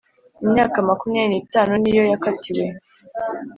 Imyaka makumyabiri n’itanu niyo yakatiwe